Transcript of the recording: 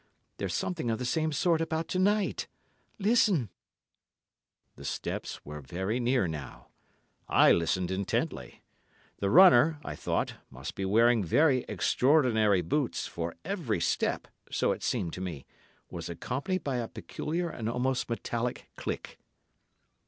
There's something of the same sort about to night. Listen!" The steps very were near now. I listened intently. The runner, I thought, must be wearing very extraordinary boots, for every step, so it seemed to me, was accompanied by a peculiar and almost metallic click.